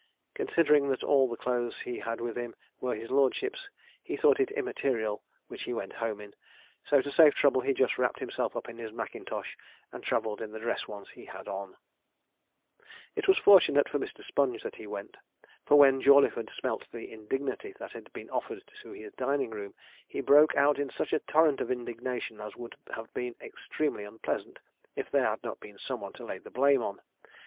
Considering that all the clothes he had with him were his lordship's, he thought it immaterial which he went home in, so to save trouble he just wrapped himself up in his mackintosh and travelled in the dress ones he had on. It was fortunate for Mr. Sponge that he went, for, when Jawleyford smelt the indignity that had been offered to his dining room, he broke out in such a torrent of indignation as would have been extremely unpleasant if there had not been some one to lay the blame on.